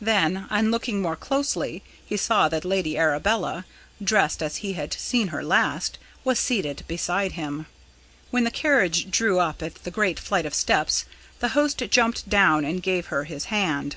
Then, on looking more closely, he saw that Lady Arabella, dressed as he had seen her last, was seated beside him. When the carriage drew up at the great flight of steps, the host jumped down and gave her his hand.